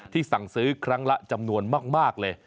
สั่งซื้อครั้งละจำนวนมากเลย